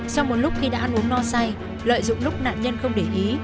sau một lúc khi đã ăn uống no say lợi dụng lúc nạn nhân không để ý